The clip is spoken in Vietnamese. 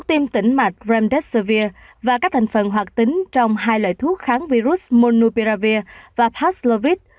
tỉnh mạch remdesivir và các thành phần hoạt tính trong hai loại thuốc kháng virus monopiravir và paxlovit